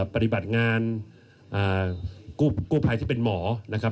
ปฏิบัติงานกู้ภัยที่เป็นหมอนะครับ